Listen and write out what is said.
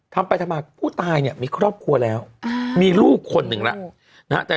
ทำไปทำมาผู้ตายเนี่ยมีครอบครัวแล้วมีลูกคนหนึ่งแล้วนะฮะ